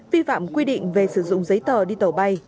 vi phạm quy định về sử dụng giấy tờ đi tàu bay